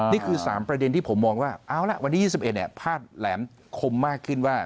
นี่คือ๓ประเด็นที่ผมมองว่าเอาละวันที่๒๑พาดแหลมคมมากขึ้นว่า